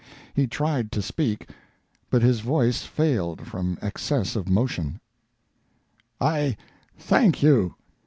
He tried to speak, but his voice failed from excess of emotion. "I thank you!"